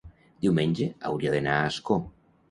diumenge hauria d'anar a Ascó.